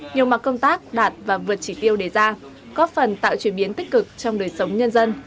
nhiều mặt công tác đạt và vượt chỉ tiêu đề ra có phần tạo chuyển biến tích cực trong đời sống nhân dân